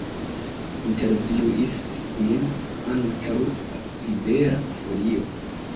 Intervjuis min ankaŭ Libera Folio.